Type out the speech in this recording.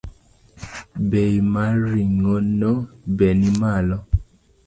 Bei mar ring’ono be nimalo